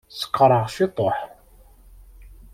Sekṛeɣ ciṭuḥ.